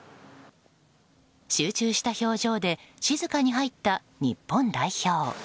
集中した表情で静かに入った日本代表。